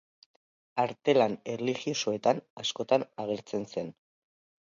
Artelan erlijiosoetan askotan agertzen zen.